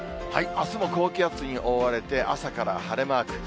あすも高気圧に覆われて、朝から晴れマーク。